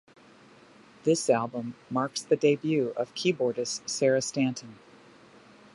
This album marks the debut of keyboardist Sarah Stanton.